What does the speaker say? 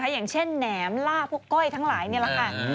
อย่างเช่นแหนมล่าพวกก้อยทั้งหลายนี่แหละค่ะ